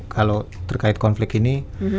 kalau terkait konflik ini